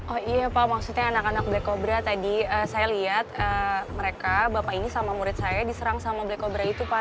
oh iya pak maksudnya anak anak black kobra tadi saya lihat mereka bapak ini sama murid saya diserang sama black obra itu pak